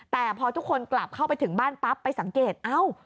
แต่พอทุกคนกลับเข้าไปถึงบ้านปั๊บไปสังเกตเอ้า